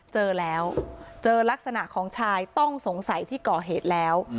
เจอแล้วเจอลักษณะของชายต้องสงสัยที่ก่อเหตุแล้ว